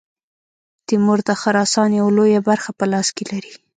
تیمور د خراسان یوه لویه برخه په لاس کې لري.